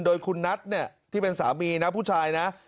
โดยคุณนัทเนี่ยที่เป็นสามีนะผู้ชายนะ